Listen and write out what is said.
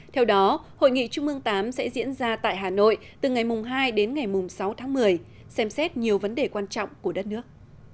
theo đó hội nghị trung mương viii sẽ diễn ra tại hà nội từ ngày hai đến ngày sáu tháng một mươi xem xét nhiều vấn đề quan trọng của đất nước